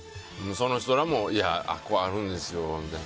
その人らもあっこ、あるんですよみたいな。